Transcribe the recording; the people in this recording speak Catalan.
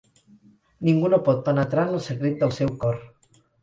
Ningú no pot penetrar en el secret del seu cor.